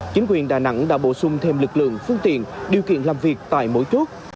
chính quyền đà nẵng đã bổ sung thêm lực lượng phương tiện điều kiện làm việc tại mỗi chốt